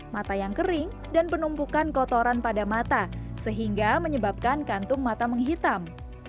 mata yang kering dan penumpukan kotoran pada mata sehingga menyebabkan kantung mata menghitam